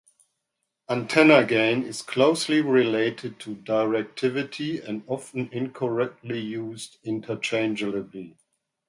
Antenna gain is closely related to directivity and often incorrectly used interchangeably.